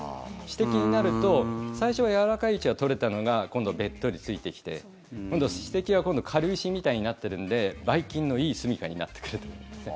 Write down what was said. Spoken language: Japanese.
歯石になると最初やわらかいうちは取れたのが今度、べっとりついてきて歯石は今度軽石みたいになってるんでばい菌のいいすみかになってくるという。